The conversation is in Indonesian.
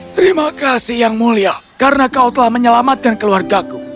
terima kasih yang mulia karena kau telah menyelamatkan keluargaku